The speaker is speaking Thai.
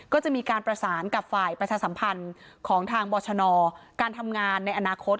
ก็จะมีการประสานกับฝ่ายประชาสัมพันธ์ของทางบรชนการทำงานในอนาคต